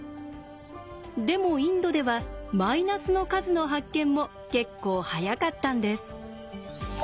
でもインドではマイナスの数の発見も結構早かったんです。